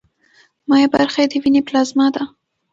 مایع برخه یې د ویني پلازما ده.